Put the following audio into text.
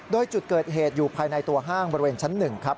โดยจุดเกิดเหตุอยู่ภายในตัวห้างบริเวณชั้น๑ครับ